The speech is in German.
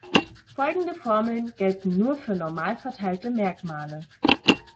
Folgende Formeln gelten nur für normalverteilte Merkmale.